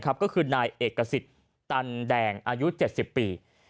ก็คือนายเอกสิทธิ์ตันแดงอายุ๗๐ปี